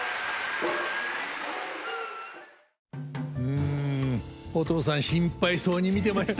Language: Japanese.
うんお父さん心配そうに見てましたね。